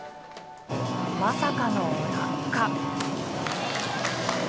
まさかの落下。